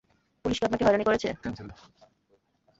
Police কী আপনাকে হয়রানি করেছে?